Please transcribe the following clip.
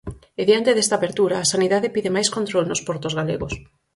E diante desta apertura, Sanidade pide máis control nos portos galegos.